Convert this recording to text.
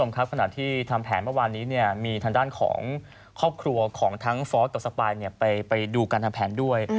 ครับขณะที่ทำแผนเมื่อวานนี้มีทางด้านของครอบครัวของทั้งฟอสกับสปายไปดูการทำแผนด้วย